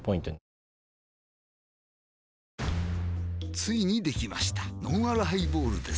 ついにできましたのんあるハイボールです